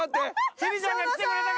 千里ちゃんが来てくれたから。